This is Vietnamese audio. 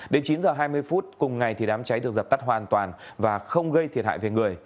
đến chín h hai mươi phút cùng ngày đám cháy được dập tắt hoàn toàn và không gây thiệt hại về người